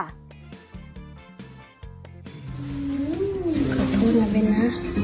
ขอโทษนะเวนนะ